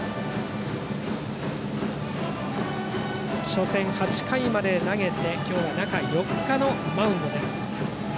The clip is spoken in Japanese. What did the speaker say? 初戦、８回まで投げて今日は中４日のマウンドです。